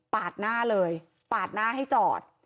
หน้าเลยปาดหน้าให้จอด